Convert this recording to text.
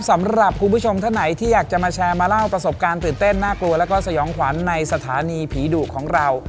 สำหรับคุณผู้ชมท่านไหนที่อยากจะมาแชร์มาเล่าประสบการณ์ตื่นเต้นน่ากลัวแล้วก็สยองขวัญในสถานีผีดุของเรา